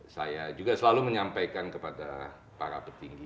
saya juga selalu menyampaikan kepada para petinggi